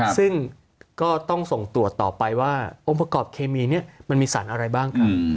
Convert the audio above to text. ซึ่งก็ต้องส่งตรวจต่อไปว่าองค์ประกอบเคมีนี้มันมีสารอะไรบ้างครับ